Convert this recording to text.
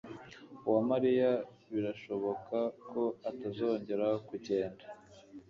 Uwamariya birashoboka ko atazongera kugenda.